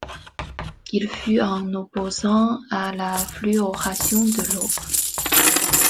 Il fut un opposant à la fluoration de l'eau.